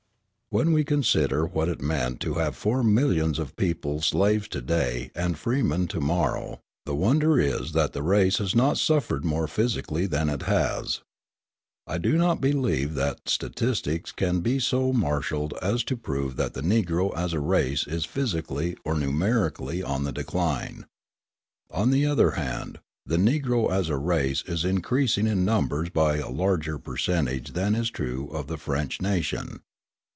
When we consider what it meant to have four millions of people slaves to day and freemen to morrow, the wonder is that the race has not suffered more physically than it has. I do not believe that statistics can be so marshalled as to prove that the Negro as a race is physically or numerically on the decline. On the other hand, the Negro as a race is increasing in numbers by a larger percentage than is true of the French nation.